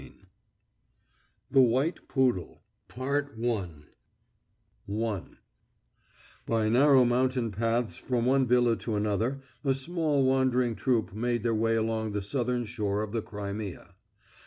IX THE WHITE POODLE I By narrow mountain paths, from one villa to another, a small wandering troupe made their way along the southern shore of the Crimea.